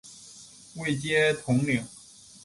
位阶统领。